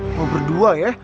mau berdua ya